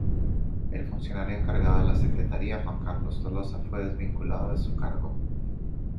El funcionario encargado de la Secretaría Juan Carlos Tolosa fue desvinculado de su cargo.